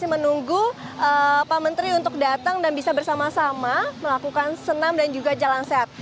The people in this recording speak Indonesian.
menteri untuk datang dan bisa bersama sama melakukan senam dan juga jalan sehat